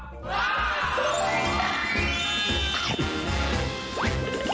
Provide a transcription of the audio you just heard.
แฮะ